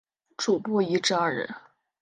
主薄一至二人。